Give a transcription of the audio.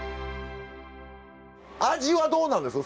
味はどうなんです？